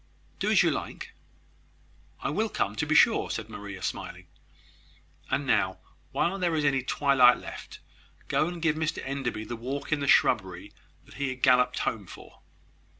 Do as you like." "I will come, to be sure," said Maria, smiling. "And now, while there is any twilight left, go and give Mr Enderby the walk in the shrubbery that he galloped home for."